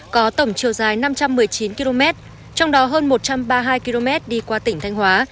có tổng chiều dài năm trăm một mươi chín km trong đó hơn một trăm ba mươi hai km đi qua tỉnh thanh hóa